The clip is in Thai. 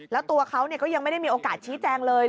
แล้วตัวเขาก็ยังไม่ได้มีโอกาสชี้แจงเลย